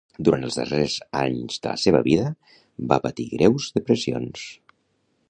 Durant els darrers anys de la seva vida, va patir greus depressions.